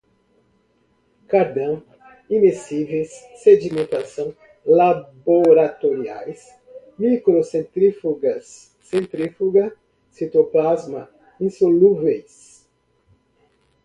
cardan, imiscíveis, sedimentação, laboratoriais, microcentrífugas, centrífuga, citoplasma, insolúveis